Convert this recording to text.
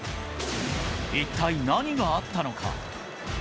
一体、何があったのか？